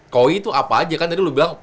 koi itu apa aja kan tadi lo bilang